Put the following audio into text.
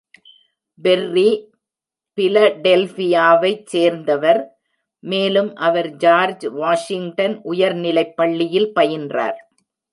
பெர்ரீ பிலடெல்ஃபியாவைச் சேர்ந்தவர் மேலும் அவர் George Washington உயர்நிலைப் பள்ளியில் பயின்றார்.